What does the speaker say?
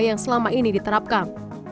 yang selama ini diterapkan